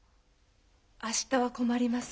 明日は困ります。